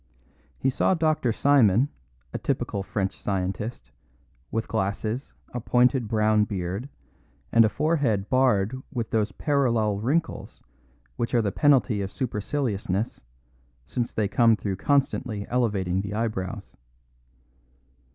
He saw Dr. Simon, a typical French scientist, with glasses, a pointed brown beard, and a forehead barred with those parallel wrinkles which are the penalty of superciliousness, since they come through constantly elevating the eyebrows.